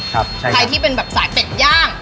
ครับใช่ครับใครที่เป็นแบบสายเป็ดย่าง